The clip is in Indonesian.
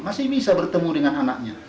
masih bisa bertemu dengan anaknya